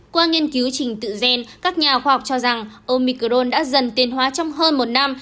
qua nghiên cứu trình tự gen các nhà khoa học cho rằng omicron đã dần tiền hóa trong hơn một năm